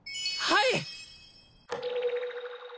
はい！